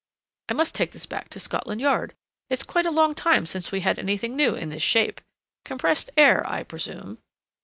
"I must take this back to Scotland Yard; it's quite a long time since we had anything new in this shape. Compressed air, I presume."